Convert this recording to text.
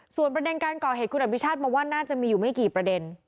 ส่วนประเด็นการก่อเหตุคุณอภิชาติมองว่าน่าจะมีอยู่ไม่กี่ประเด็น